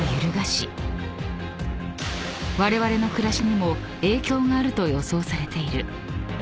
［われわれの暮らしにも影響があると予想されている］